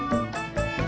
gak ada de